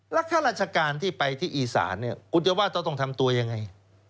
แล้วข้าราชการที่ไปที่อีสานเนี่ยคุณจะว่าต้องทำตัวยังไง